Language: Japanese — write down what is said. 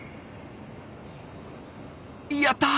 やった！